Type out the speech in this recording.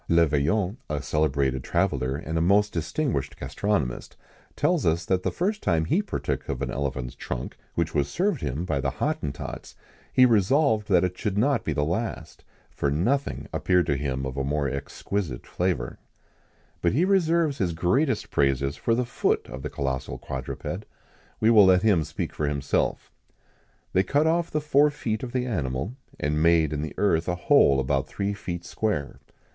Le Vaillant, a celebrated traveller, and a most distinguished gastronomist, tells us that the first time he partook of an elephant's trunk, which was served him by the Hottentots, he resolved that it should not be the last; for nothing appeared to him of a more exquisite flavour.[XIX 116] But he reserves his greatest praises for the foot of the colossal quadruped. We will let him speak for himself: "They cut off the four feet of the animal, and made in the earth a hole about three feet square.